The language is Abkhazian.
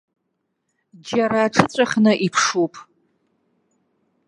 Ьара аҽыҵәахны иԥшуп.